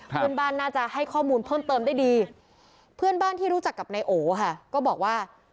เพื่อนบ้านน่าจะให้ข้อมูลเพิ่มเติมได้ดีเพื่อนบ้านที่รู้จักกับนายโอค่ะก็บอกว่า